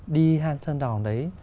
đi hang sơn đòng đấy